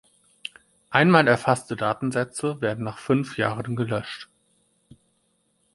Einmal erfasste Datensätze werden nach fünf Jahren gelöscht.